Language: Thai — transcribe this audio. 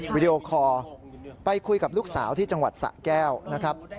วิดีโอคอร์ไปคุยกับลูกสาวที่จังหวัดสะแก้วนะครับ